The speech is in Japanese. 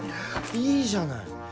いいじゃない！